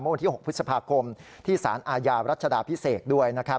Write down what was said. เมื่อวันที่๖พฤษภาคมที่สารอาญารัชดาพิเศษด้วย